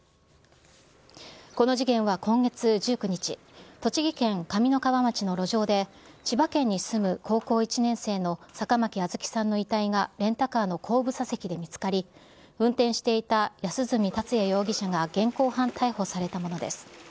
この事件は今月１９日、栃木県上三川町の路上で、千葉県に住む高校１年生の坂巻杏月さんの遺体がレンタカーの後部座席で見つかり、運転していた安栖達也容疑者が現行犯逮捕されたものです。